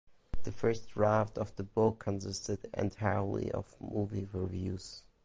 The first draft of the book consisted entirely of movie reviews.